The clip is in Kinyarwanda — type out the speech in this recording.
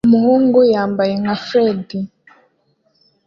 Umuhungu yambaye nka Freddy